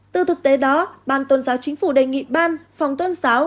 từ thực tế đó ban tôn giáo chính phủ đề nghị ban phòng tôn giáo